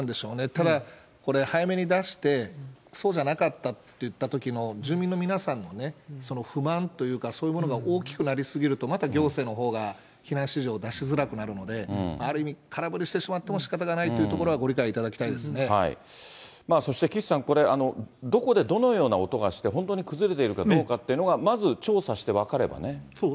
ただ、これ、早めに出して、そうじゃなかったっていったときの、住民の皆さんのね、不満というか、そういうものが大きくなりすぎると、また行政のほうが避難指示を出しづらくなるので、ある意味、空振りしてしまってもしかたがないということはご理解いただきたそして岸さん、これ、どこでどのような音がして、本当に崩れているかどうかというのが、そう、